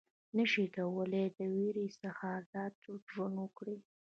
نه شي کولای د وېرې څخه آزاد ژوند وکړي.